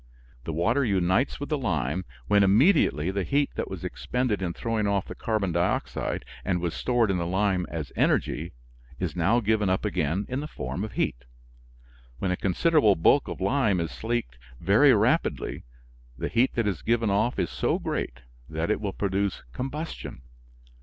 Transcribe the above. The water unites with the lime, when immediately the heat that was expended in throwing off the carbon dioxide and was stored in the lime as energy is now given up again in the form of heat. When a considerable bulk of lime is slacked very rapidly the heat that is given off is so great that it will produce combustion.